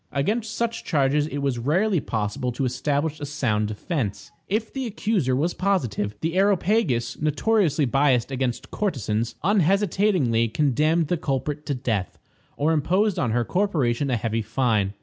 Against such charges it was rarely possible to establish a sound defense. If the accuser was positive, the Areopagus, notoriously biased against courtesans, unhesitatingly condemned the culprit to death, or imposed on her corporation a heavy fine.